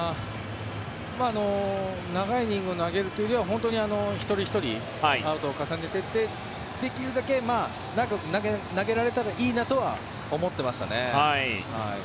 長いイニングを投げるというよりは本当に一人ひとりアウトを重ねてできるだけ長く投げられたらいいなとは思ってましたね。